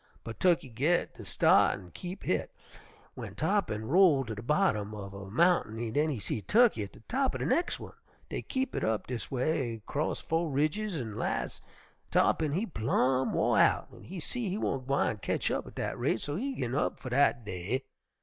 But Tukkey git de start an' keep hit. W'en Tarr'pin roll to de bottom uv a mountain den he'd see Tukkey at de top er de nex' one. Dey kep' hit up dis a way 'cross fo' ridges, an' las' Tarr'pin he plumb wo' out an' he see he wan't gwine ketch up at dat rate, so he gin up fer dat day.